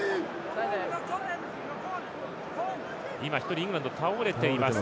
イングランド１人倒れています。